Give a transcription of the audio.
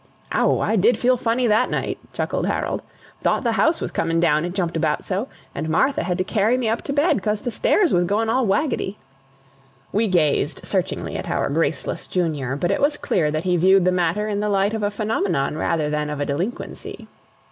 "Ow! I did feel funny that night," chuckled Harold. "Thought the house was comin' down, it jumped about so; and Martha had to carry me up to bed, 'cos the stairs was goin' all waggity!" We gazed searchingly at our graceless junior; but it was clear that he viewed the matter in the light of a phenomenon rather than of a delinquency.